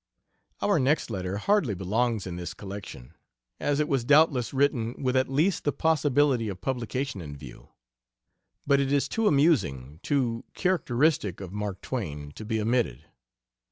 Our next letter hardly belongs in this collection; as it was doubtless written with at least the possibility of publication in view. But it is too amusing, too characteristic of Mark Twain, to be omitted.